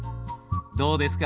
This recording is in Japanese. どうですか？